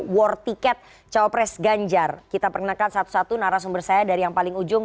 war ticket cowopres ganjar kita perkenalkan satu satu narasumber saya dari yang paling ujung